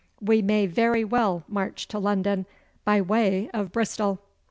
We may very well march to London by way of Bristol.